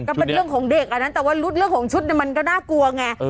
ก็เป็นเรื่องของเด็กอ่ะนะแต่ว่ารุดเรื่องของชุดมันก็น่ากลัวไง